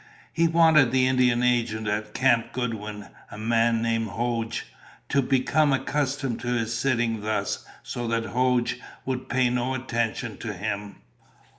He wanted the Indian agent at Camp Goodwin, a man named Hoag, to become accustomed to his sitting thus so that Hoag would pay no attention to him.